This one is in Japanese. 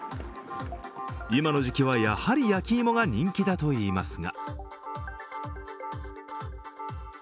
今の時期はやはり焼き芋が人気だといいますが。